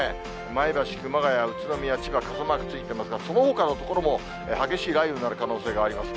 前橋、熊谷、宇都宮、千葉、傘マークついてますが、そのほかの所も激しい雷雨になる可能性があります。